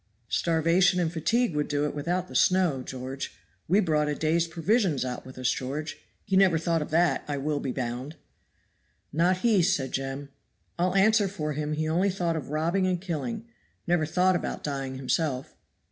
"Starvation and fatigue would do it without the snow, George. We brought a day's provisions out with us, George. He never thought of that, I will be bound." "Not he," said Jem. "I'll answer for him he only thought of robbing and killing never thought about dying himself."